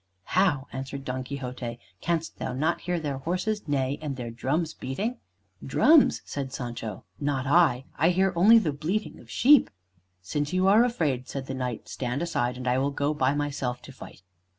"How!" answered Don Quixote, "canst thou not hear their horses neigh, and their drums beating?" "Drums!" said Sancho. "Not I! I hear only the bleating of sheep." "Since you are afraid," said the Knight, "stand aside, and I will go by myself to fight."